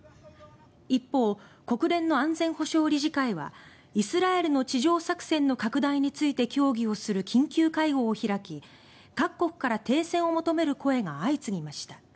一方、国連の安全保障理事会はイスラエルの地上作戦の拡大について協議をする緊急会合を開き各国から停戦を求める声が相次ぎました。